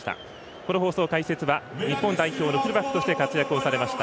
この放送、解説は日本代表のフルバックとして活躍されました